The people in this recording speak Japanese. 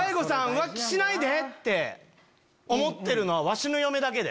浮気しないで」って思ってるのはわしの嫁だけで。